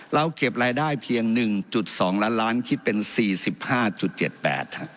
เราเก็บรายได้เพียง๑๒ล้านล้านคิดเป็น๔๕๗๘